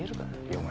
お前